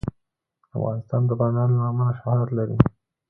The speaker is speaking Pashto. افغانستان د بامیان له امله شهرت لري.